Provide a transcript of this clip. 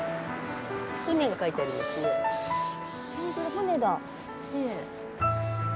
船だ！